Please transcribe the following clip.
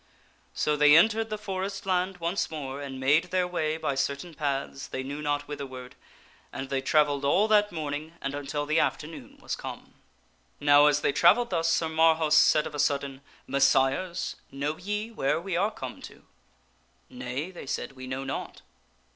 So they entered the forest land once more and made their way by cer tain paths, they knew not whitherward ; and they travelled all that morning and until the afternoon was come. Now, as they travelled thus Sir Marhaus said of a sudden, " Messires, know ye where we are come to ?"" Nay," they said, " we know not."